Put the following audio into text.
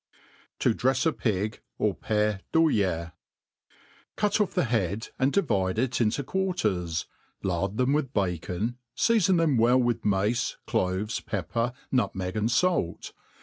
To drefs a Pig an Pere Duillet. CUT off the head, and divide it into quarters, lard then* with bacon, feafon them well with mace, cloves^ pepper, nut meg, and fait.